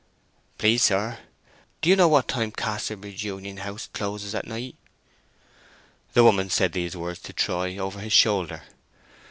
"Please, sir, do you know at what time Casterbridge Union house closes at night?" The woman said these words to Troy over his shoulder.